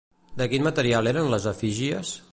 De quin material eren les efígies?